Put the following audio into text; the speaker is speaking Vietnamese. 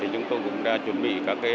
chúng tôi cũng đã chuẩn bị